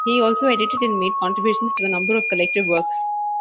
He also edited and made contributions to a number of collective works.